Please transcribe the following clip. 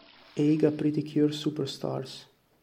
Eiga Pretty Cure Super Stars!